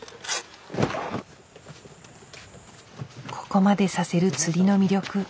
ここまでさせる釣りの魅力。